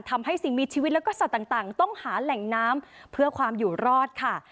ทำให้สิ่งมีชีวิตแล้วก็สัตว์ต่างต้องหาแหล่งน้ำเพื่อความอยู่รอดค่ะ